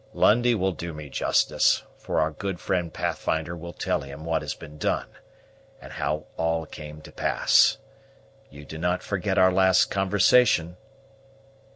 Lundie will do me justice; for our good friend Pathfinder will tell him what has been done, and how all came to pass. You do not forget our last conversation?"